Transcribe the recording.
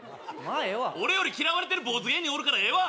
俺より嫌われてる坊主芸人おるからええわ！